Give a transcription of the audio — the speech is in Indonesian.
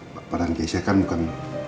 bapak dan keisha kan bukan